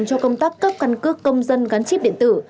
cho công tác cấp căn cước công dân gắn chip điện tử